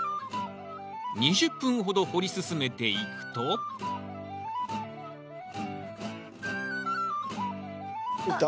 ２０分ほど掘り進めていくといった。